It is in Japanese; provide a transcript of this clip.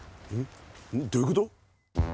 どういうこと？